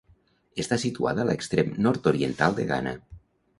Està situada a l'extrem nord-oriental de Ghana.